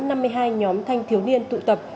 năm mươi hai nhóm thanh thiếu niên tụ tập